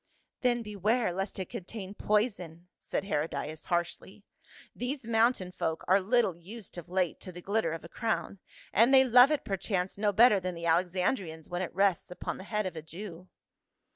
"Then beware le.st it contain poison," .said Herodias harshly. " These mountain folk arc little used of late 148 PA UL. to the glitter of a crown, and they love it perchance no better than the Alexandrians when it rests upon the head of a Jew."